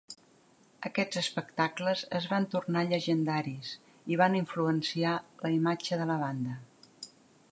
Aquests espectacles es van tornar llegendaris i van influenciar la imatge de la banda.